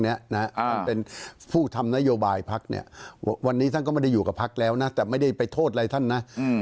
ท่านเป็นผู้ทำนโยบายพักเนี่ยวันนี้ท่านก็ไม่ได้อยู่กับพักแล้วนะแต่ไม่ได้ไปโทษอะไรท่านนะ